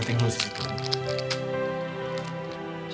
nggak ada apa apa